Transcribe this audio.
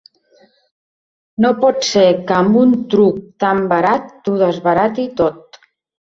No pot ser que amb un truc tan barat t'ho desbarati tot.